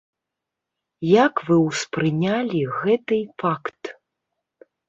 Як вы ўспрынялі гэты факт?